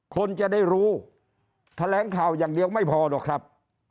คนจะได้รู้แถลงข่าวอย่างเดียวไม่พอหรอกครับ